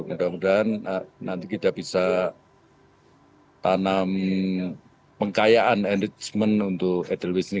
mudah mudahan nanti kita bisa tanam pengkayaan engagement untuk edelweiss ini